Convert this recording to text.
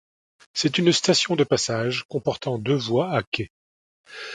C'est une station de passage comportant deux voies à quai.